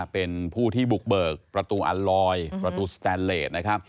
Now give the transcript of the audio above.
เป็นผู้ที่บุกเบิกประตูอัลลอยด์ประตูสแทนเลสด์